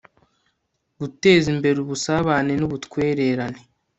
guteza imbere ubusabane n'ubutwererane